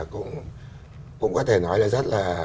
cũng có thể nói là rất là